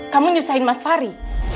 kamu nyusahin mas fahri